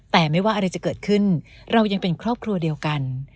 แต่ไม่ว่าอะไรจะเกิดขึ้นเรายังเป็นครอบครัวเดียวกัน